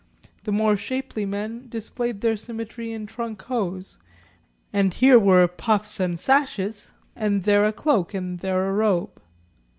The more shapely men displayed their symmetry in trunk hose, and here were puffs and slashes, and there a cloak and there a robe.